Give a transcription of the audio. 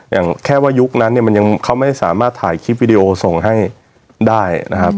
อย่างแค่ว่ายุคนั้นเนี่ยมันยังเขาไม่สามารถถ่ายคลิปวิดีโอส่งให้ได้นะครับ